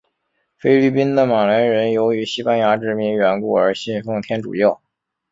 菲律宾的马来人由于西班牙殖民缘故而信奉天主教。